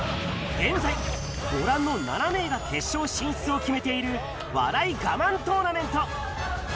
現在、ご覧の７名が決勝進出を決めている笑いガマントーナメント。